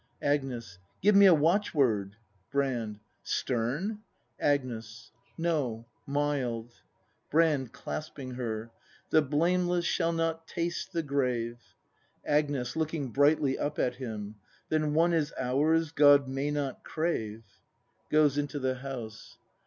Agnes. Give me a watchword. Brand. Stern ? Agnes. No, mild. Brand. [Clas'ping herl\ The blameless shall not taste the grave. Agnes. [Looking hrightly up at him.] Then one is ours God may not crave ! [Goes into the house.